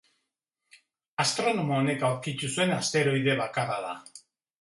Astronomo honek aurkitu zuen asteroide bakarra da.